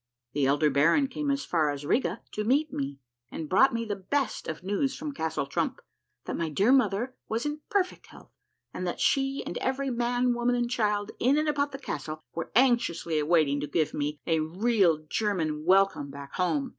The elder baron came as far as Riga to meet me, and brought me the best of news from Castle Trump, that my dear mother Avas in perfect health, and that she and every man, Avoman, and child in and about the castle Avere anxiously Availing to give me a reiil German Avelcome back home again.